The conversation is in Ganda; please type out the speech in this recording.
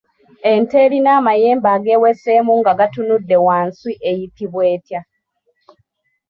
Ente erina amayembe ageeweseemu nga gatunudde wansi eyitibwa etya?